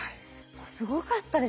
もうすごかったですね